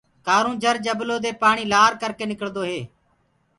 ڪآرونجھر جبلو دي پآڻي لآر ڪر ڪي نِڪݪدو هي۔